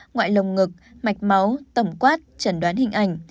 ngoại lồng ngực mạch máu tẩm quát trần đoán hình ảnh